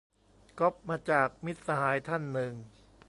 ก๊อปมาจาก มิตรสหายท่านหนึ่ง